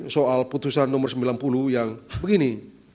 soal putusan nomor sembilan puluh yang begini